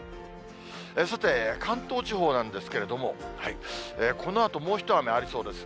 さて、関東地方なんですけれども、このあともう一雨ありそうです。